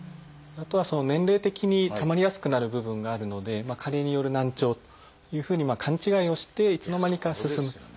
あとはその年齢的にたまりやすくなる部分があるので加齢による難聴というふうに勘違いをしていつの間にか進む。